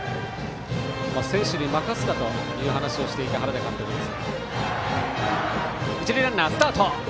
選手に任せたという話をしていた原田監督です。